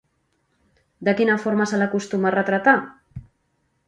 De quina forma se l'acostuma a retratar?